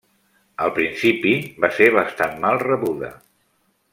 Al principi va ser bastant mal rebuda.